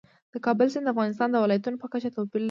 د کابل سیند د افغانستان د ولایاتو په کچه توپیر لري.